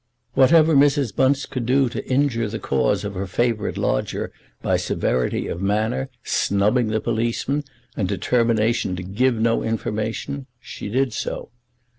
Whatever Mrs. Bunce could do to injure the cause of her favourite lodger by severity of manner, snubbing the policeman, and determination to give no information, she did do.